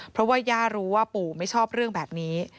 เพราะว่าย่ารู้ว่าปู่ไม่ชอบเรื่องแบบนี้